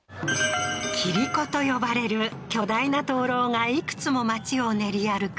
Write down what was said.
キリコと呼ばれる巨大な灯籠がいくつも町を練り歩く